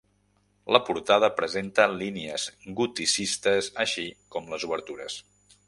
La portada presenta línies goticistes així com les obertures.